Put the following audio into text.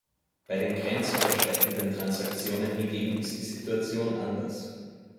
Bei den grenzüberschreitenden Transaktionen hingegen ist die Situation anders.